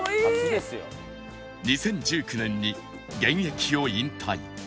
２０１９年に現役を引退